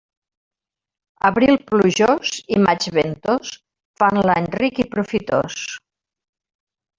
Abril plujós i maig ventós fan l'any ric i profitós.